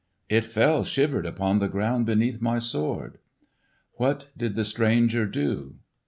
"It fell shivered upon the ground beneath my sword." "What did the stranger do?"